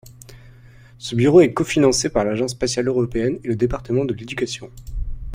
Ce Bureau est cofinancé par l'Agence spatiale européenne et le Département de l'éducation.